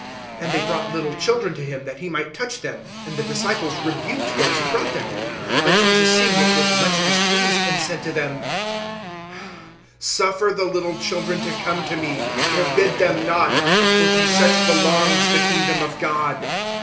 (13)And they brought little children to him, that he might touch them; and the disciples rebuked those who brought them. (14)But Jesus seeing it, was much displeased, and said to them: Suffer the little children to come to me; forbid them not, for to such belongs the kingdom of God.